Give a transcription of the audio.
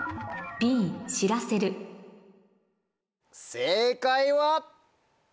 正解は。